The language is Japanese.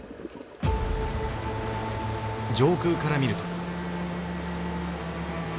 上空から見ると。